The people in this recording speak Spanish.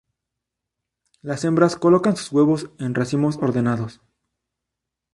Las hembras colocan sus huevos en racimos ordenados.